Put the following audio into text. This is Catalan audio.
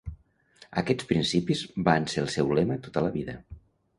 Aquests principis van ser el seu lema tota la vida.